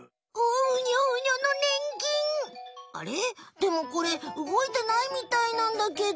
でもこれ動いてないみたいなんだけど。